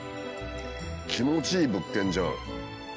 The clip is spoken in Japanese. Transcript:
気持ちいい物件じゃん。